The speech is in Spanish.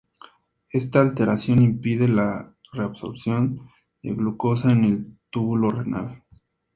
Esta alteración impide la reabsorción de glucosa en el túbulo renal.